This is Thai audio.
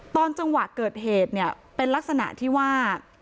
ตอนจังหวะเกิดเหตุเนี่ยเป็นลักษณะที่ว่า